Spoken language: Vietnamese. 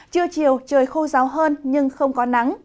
trưa chiều trời khô ráo hơn nhưng không có nắng